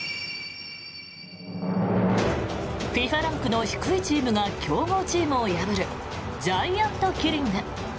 ＦＩＦＡランクの低いチームが強豪チームを破るジャイアントキリング。